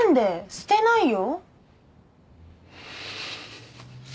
捨てないよ！